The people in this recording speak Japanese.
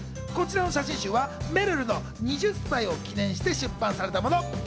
こちらの写真集はめるるの２０歳を記念して出版されたもの。